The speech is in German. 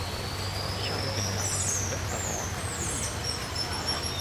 Ich habe gelernt, Westerbork zu lieben.